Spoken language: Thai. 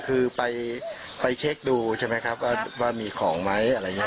คือไปเช็คดูถูกซักฐานด้วยบรรเทาทุกจะว่ามีของไหม